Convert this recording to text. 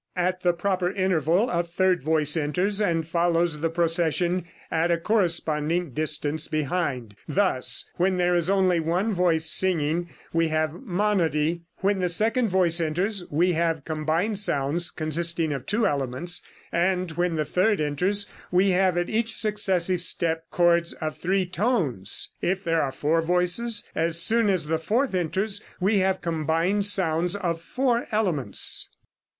At the proper interval a third voice enters and follows the procession at a corresponding distance behind. Thus, when there is only one voice singing we have monody; when the second voice enters we have combined sounds consisting of two elements; and when the third enters we have at each successive step chords of three tones. If there are four voices, as soon as the fourth enters, we have combined sounds of four elements.